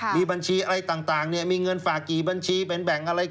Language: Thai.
มีบัญชีอะไรต่างมีเงินฝากกี่บัญชีเป็นแบ่งอะไร